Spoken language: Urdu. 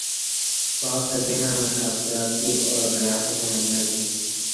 بات کرتے ہیں ہم اخلاقیات کی اورریاست مدینہ کی